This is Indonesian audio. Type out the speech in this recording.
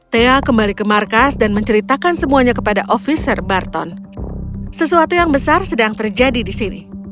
thea kembali ke markas dan menceritakan semuanya kepada officer barton sesuatu yang besar sedang terjadi di sini